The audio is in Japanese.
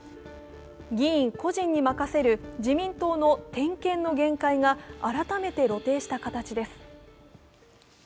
議員個人に任せる自民党の点検の限界が改めて露呈した形です。